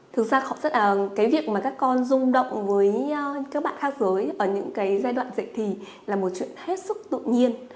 thực ra họ rất là cái việc mà các con dung động với các bạn khác giới ở những cái giai đoạn dịch thì là một chuyện hết sức tự nhiên